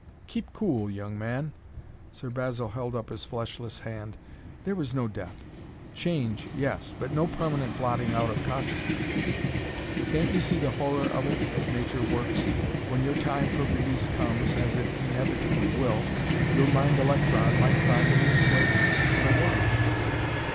"Keep cool, young man!" Sir Basil held up his fleshless hand. "There is no death! Change, yes; but no permanent blotting out of consciousness. Can't you see the horror of it as nature works? When your time for release comes, as it inevitably will, your mind electron might find new enslavement in a worm!"